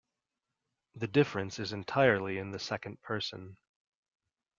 The difference is entirely in the second person.